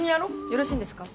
よろしいんですか？